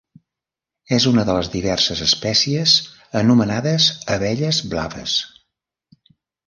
És una de les diverses espècies anomenades abelles blaves.